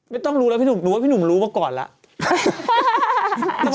ไม่ต้องรู้แล้วพี่หนุ่มรู้ว่าก่อนแล้ว